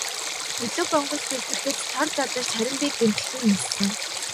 Хөлөг онгоц дэлбэрэхэд тор задарч харин би гэмтэлгүй ниссэн.